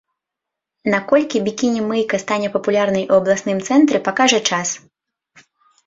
Наколькі бікіні-мыйка стане папулярнай у абласным цэнтры, пакажа час.